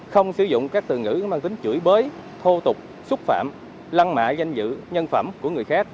không sử dụng các từ ngữ mang tính chửi bới thô tục xúc phạm lăng mạ danh dự nhân phẩm của người khác